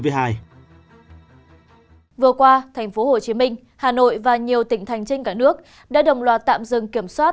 vừa qua tp hcm hà nội và nhiều tỉnh thành trên cả nước đã đồng loạt tạm dừng kiểm soát